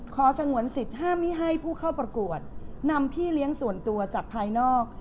สงวนสิทธิ์ห้ามไม่ให้ผู้เข้าประกวดนำพี่เลี้ยงส่วนตัวจากภายนอก